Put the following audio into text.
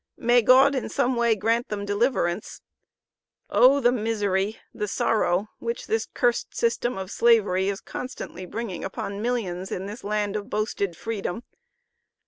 May God, in some way, grant them deliverance. Oh the misery, the sorrow, which this cursed system of Slavery is constantly bringing upon millions in this land of boasted freedom!